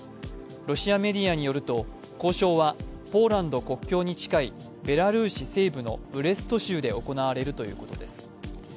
ロシアメディアによると、交渉はポーランド国境に近いベラルーシ西部のブレスト州で行われるということです。